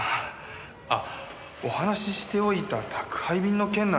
あっお話ししておいた宅配便の件なんですけれど。